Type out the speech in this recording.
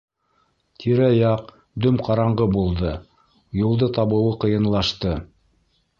Тирә-яҡ дөм ҡараңғы булды, юлды табыуы ҡыйынлашты.